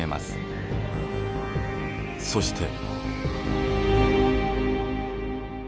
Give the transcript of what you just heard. そして。